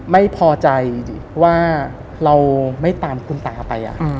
ไม่พอใจดิว่าเราไม่ตามคุณตาไป